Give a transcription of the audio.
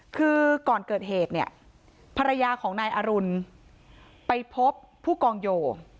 คือก่อนเกิดเหตุเนี่ยภรรยาของนายอรุณไปพบผู้กองโย